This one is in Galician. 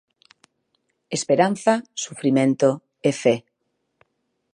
Esperanza, sufrimento e fe.